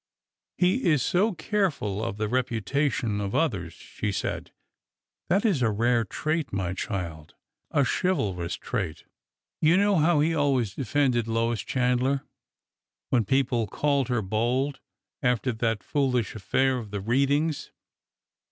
" He is so careful of the reputation of others," she said. " That is a rare trait, my child, a chivalrous trait. You know how he always defended Lois Chandler when peo ple called her bold after that foolish affair of the read ings.